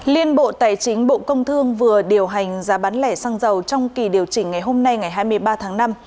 liên bộ tài chính bộ công thương vừa điều hành giá bán lẻ xăng dầu trong kỳ điều chỉnh ngày hôm nay ngày hai mươi ba tháng năm